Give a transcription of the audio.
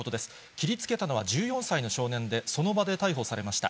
切りつけたのは１４歳の少年で、その場で逮捕されました。